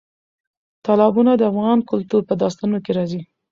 تالابونه د افغان کلتور په داستانونو کې راځي.